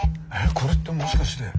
これってもしかして。